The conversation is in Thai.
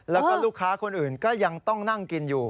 แล้วก็ลูกค้าคนอื่นก็ยังต้องนั่งกินอยู่